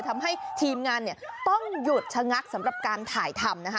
ทำให้ทีมงานเนี่ยต้องหยุดชะงักสำหรับการถ่ายทำนะคะ